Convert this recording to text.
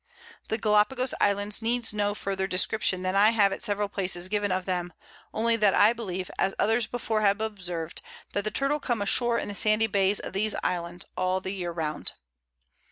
The Gallapagos Islands need no further Description than I have at several Places given of them; only that I believe, as others before have observed, that the Turtle come a shore in the sandy Bays of these Islands, all the Year round.